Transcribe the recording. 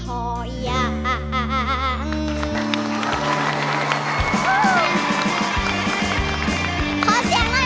ให้เคอรี่มาส่งได้บ่